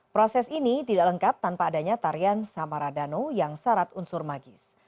proses ini tidak lengkap tanpa adanya tarian samaradano yang syarat unsur magis